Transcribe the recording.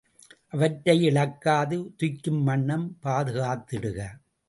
அவற்றை இழக்காது துய்க்கும் வண்ணம் பாதுகாத்திடுக.